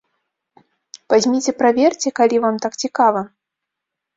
Вазьміце праверце, калі вам так цікава.